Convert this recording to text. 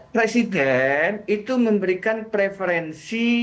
presiden itu memberikan preferensi